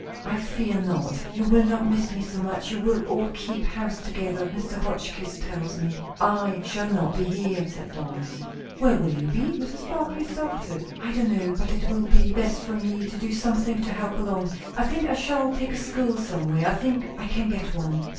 "I fear not. You will not miss me so much; you will all keep house together, Mr. Hotchkiss tells me." "I shall not be here," said Lois. "Where will you be?" Mrs. Barclay started. "I don't know; but it will be best for me to do something to help along. I think I shall take a school somewhere. I think I can get one."